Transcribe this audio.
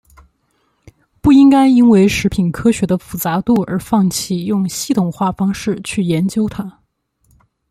不应该因为食品科学的复杂度而放弃用系统化方式去研究它。